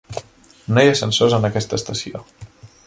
No hi ha ascensors en aquesta estació.